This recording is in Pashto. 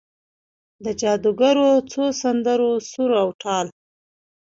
د جادوګرو څو سندرو سر او تال،